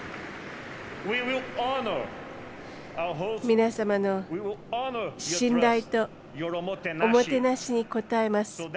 皆様の信頼とおもてなしに応えます。